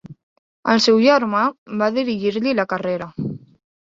El seu germà va dirigir-li la carrera.